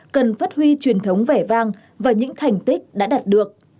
cần phát huy truyền thống vẻ vang và những thành tích đã đạt được